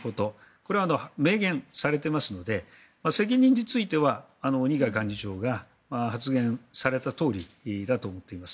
これは明言されていますので責任については二階幹事長が発言されたとおりだと思っています。